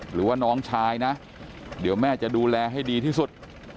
หรือว่าน้องชายนะเดี๋ยวแม่จะดูแลให้ดีที่สุด